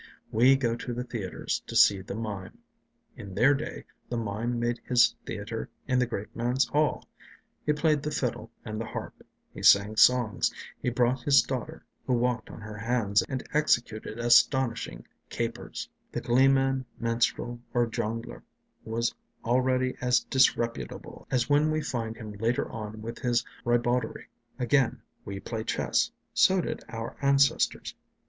We go to the theatres to see the mime; in their days the mime made his theatre in the great man's hall. He played the fiddle and the harp; he sang songs, he brought his daughter, who walked on her hands and executed astonishing capers; the gleeman, minstrel, or jongleur was already as disreputable as when we find him later on with his ribauderie. Again, we play chess; so did our ancestors.